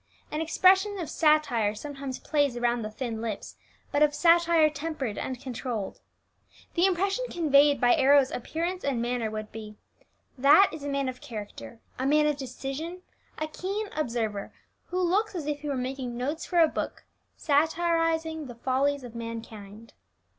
An expression of satire sometimes plays around the thin lips, but of satire tempered and controlled. The impression conveyed by Arrows' appearance and manner would be, "That is a man of character, a man of decision, a keen observer, who looks as if he were making notes for a book satirizing the follies of mankind."